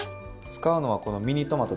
使うのはこのミニトマトですね。